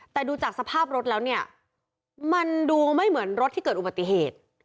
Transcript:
แต่ดูจากสภาพรถแล้วเนี่ยมันดูไม่เหมือนรถที่เกิดอุบัติเหตุ